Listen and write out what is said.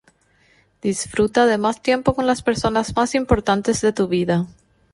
Disfruta de más tiempo con las personas más importantes de tu vida.